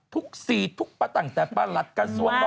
ทุกศีร์ทุกประต่างแต่ประหลัดกระทรวง